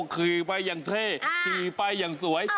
ขี่ไปอย่างเท่ขี่ไปอย่างสวย